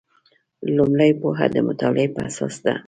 لومړۍ پوهه د مطالعې په اساس ده.